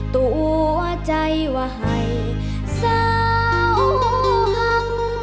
ตัวใจว่าให้สาวหัก